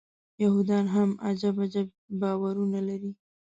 یهودان هم عجب عجب باورونه لري.